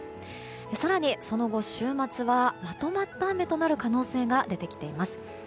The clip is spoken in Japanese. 更にその後、週末はまとまった雨となる可能性が出てきています。